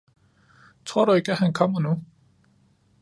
Tror du ikke, at han kommer nu